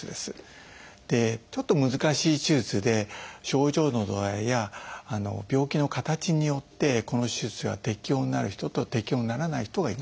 ちょっと難しい手術で症状の度合いや病気の形によってこの手術が適応になる人と適応にならない人がいます。